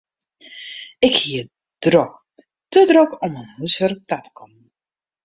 Ik hie it drok, te drok om oan húswurk ta te kommen.